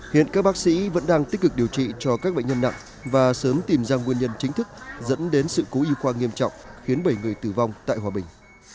hiện các bác sĩ vẫn đang tích cực điều trị cho các bệnh nhân nặng và sớm tìm ra nguyên nhân chính thức dẫn đến sự cố y khoa nghiêm trọng khiến bảy người tử vong tại hòa bình